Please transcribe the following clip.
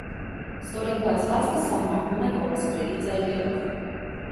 Ստորին բացվածքը սահմանվում է կողոսկրերի ծայրերով։